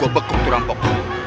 gua bekuk tuh rampok